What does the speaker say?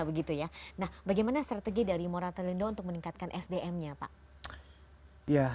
bagaimana strategi dari moratalindo untuk meningkatkan sdm nya pak